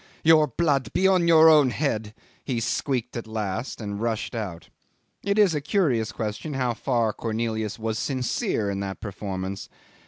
"Your blood be on your own head," he squeaked at last, and rushed out. It is a curious question how far Cornelius was sincere in that performance.